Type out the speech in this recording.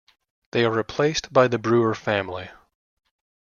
They are replaced by the Brewer family.